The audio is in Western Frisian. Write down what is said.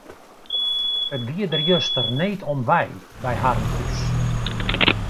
It gie der juster need om wei by harren thús.